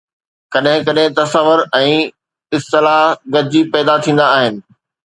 ڪڏهن ڪڏهن تصور ۽ اصطلاح گڏجي پيدا ٿيندا آهن.